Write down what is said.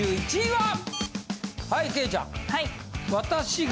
はい。